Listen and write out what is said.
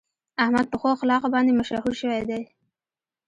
احمد په ښو اخلاقو باندې مشهور شوی دی.